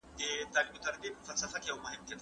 دغه حاجي چي دی ډېر په اسانۍ سره خپلي اوښکي تویوی.